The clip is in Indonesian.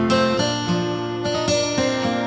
hai aqu apa kabar